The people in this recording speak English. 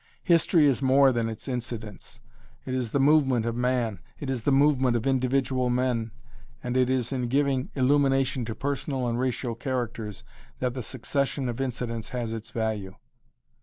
History is more than its incidents. It is the movement of man. It is the movement of individual men, and it is in giving illumination to personal and racial characters that the succession of incidents has its value.